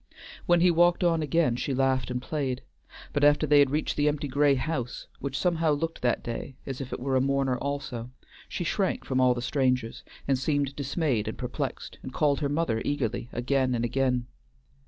When he walked on again, she laughed and played; but after they had reached the empty gray house, which somehow looked that day as if it were a mourner also, she shrank from all the strangers, and seemed dismayed and perplexed, and called her mother eagerly again and again.